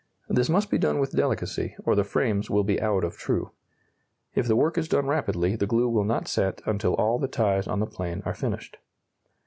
This must be done with delicacy, or the frames will be out of true. If the work is done rapidly the glue will not set until all the ties on the plane are finished.